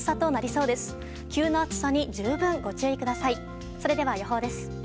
それでは予報です。